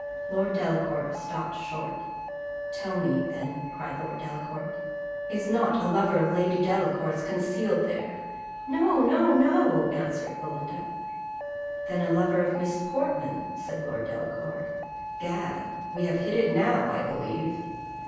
Lord Delacour stopped short. "Tell me, then," cried Lord Delacour, "is not a lover of Lady Delacour's concealed there?" "No! No! No!" answered Belinda. "Then a lover of Miss Portman?" said Lord Delacour. "Gad! we have hit it now, I believe."